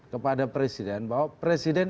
kepada presiden bahwa presiden